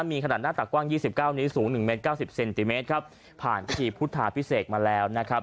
มีขนาดหน้าต่างกว้างยี่สิบเก้านี้สูงหนึ่งเมตรเก้าสิบเซนติเมตรครับผ่านทีพุทธาพิเศกมาแล้วนะครับ